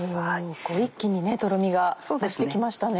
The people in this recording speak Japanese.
一気にトロミが増して来ましたね。